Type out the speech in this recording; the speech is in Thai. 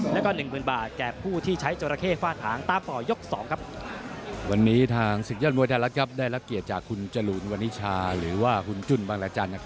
แล้วก็๑๐๐๐๐บาทแก่ผู้ที่ใช้จราเข้ฝ้านหาง